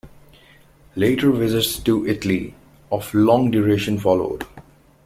Later visits to Italy of long duration followed.